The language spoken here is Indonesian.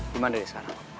gimana deh sekarang